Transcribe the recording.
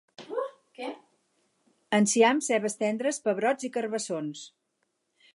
Enciam, cebes tendres, pebrots i carbassons